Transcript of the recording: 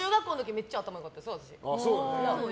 めっちゃ良かったです。